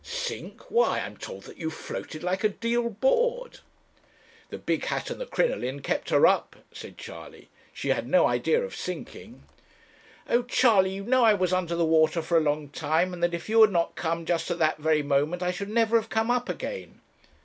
'Sink! Why, I'm told that you floated like a deal board.' 'The big hat and the crinoline kept her up,' said Charley; 'she had no idea of sinking.' 'Oh! Charley, you know I was under the water for a long time; and that if you had not come, just at that very moment, I should never have come up again.'